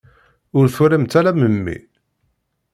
Ur twalamt ara memmi?